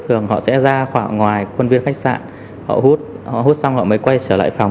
thì họ sẽ ra khỏi ngoài quân viên khách sạn họ hút xong họ mới quay trở lại phòng